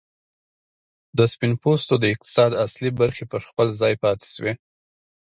د سپین پوستو د اقتصاد اصلي برخې پر خپل ځای پاتې شوې.